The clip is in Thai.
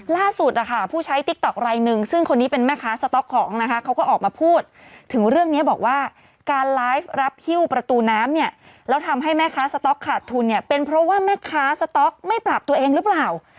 ล่าสุดนะคะผู้ใช้ติ๊กต๊อกรายหนึ่งซึ่งคนนี้เป็นแม่ค้าสต๊อกของนะคะเขาก็ออกมาพูดถึงเรื่องนี้บอกว่าการไลฟ์รับฮิ้วประตูน้ำเนี่ยแล้วทำให้แม่ค้าสต๊อกขาดทุนเนี่ยเป็นเพราะว่าแม่ค้าสต๊อกไม่ปรับตัวเองหรือเปล่า